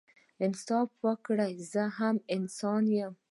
انصاف وکړئ زه هم انسان يم